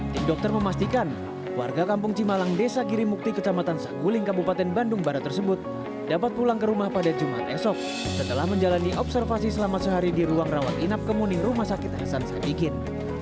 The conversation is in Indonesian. tim dokter memastikan warga kampung cimalang desa girimukti kecamatan saguling kabupaten bandung barat tersebut dapat pulang ke rumah pada jumat esok setelah menjalani observasi selama sehari di ruang rawat inap kemuning rumah sakit hasan sadikin